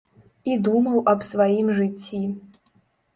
І думаў аб сваім жыцці.